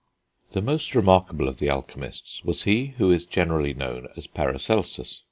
The most remarkable of the alchemists was he who is generally known as Paracelsus.